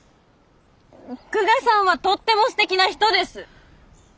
久我さんはとってもすてきな人です！